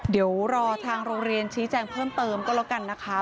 เดี๋ยวรอทางโรงเรียนชี้แจงเพิ่มเติมก็แล้วกันนะคะ